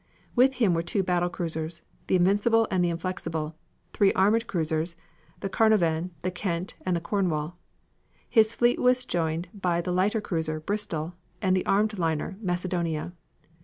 With him were two battle cruisers, the Invincible and the Inflexible, three armored cruisers, the Carnovan, the Kent and the Cornwall. His fleet was joined by the light cruiser Bristol and the armed liner Macedonia.